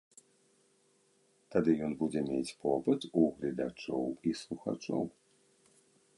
Тады ён будзе мець попыт у гледачоў і слухачоў.